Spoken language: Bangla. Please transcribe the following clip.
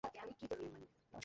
হ্যাঁ, তুমি যাও।